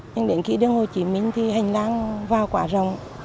nhưng đến khi đường hồ chí minh thì hành lang vào quả rồng